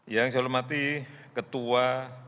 yang saya hormati ketua